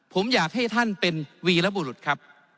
ผมอยากให้ท่านเป็นวีรบุรุษครับ